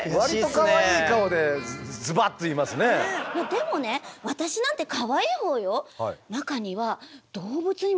でもね私なんてかわいいほうよ。